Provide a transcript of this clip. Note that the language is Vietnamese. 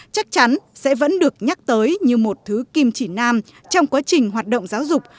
chắc chắn sẽ vẫn được nhắc tới như một thứ kim chỉ nam trong quá trình hoạt động giáo dục